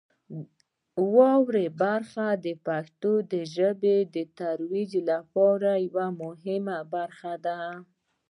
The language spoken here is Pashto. واورئ برخه د پښتو ژبې د ترویج لپاره یوه مهمه برخه ده.